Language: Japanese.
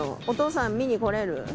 お父さん見に来れる？